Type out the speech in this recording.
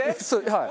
はい。